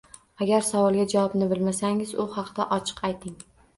Agar savolga javobni bilmasangiz, bu haqda ochiq ayting.